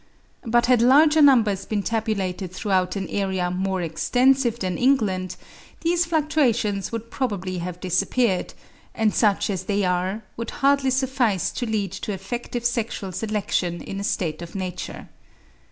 But had larger numbers been tabulated throughout an area more extensive than England, these fluctuations would probably have disappeared; and such as they are, would hardly suffice to lead to effective sexual selection in a state of nature.